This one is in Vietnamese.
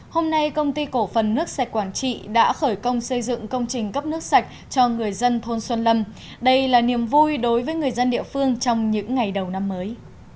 hôm nay công ty cổ phần nước sạch quản trị đã khởi công xây dựng công trình cấp nước sạch cho người dân thôn xuân lâm đây là niềm vui đối với người dân địa phương trong những ngày đầu năm mới